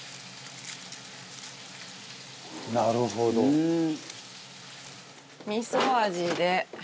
「なるほど」「ふーん！」